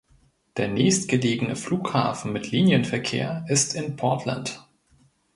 Der nächstgelegene Flughafen mit Linienverkehr ist in Portland